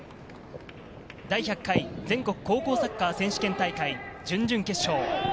第１００回全国高校サッカー選手権大会、準々決勝。